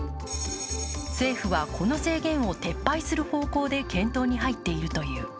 政府はこの制限を撤廃する方向で検討に入っているという。